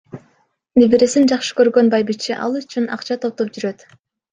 Небересин жакшы көргөн байбиче ал үчүн акча топтоп жүрөт.